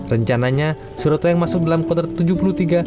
rencananya sureto yang masuk dalam potret tujuh puluh tiga